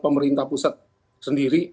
pemerintah pusat sendiri